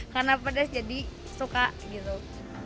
karena pedas jadi suka gitu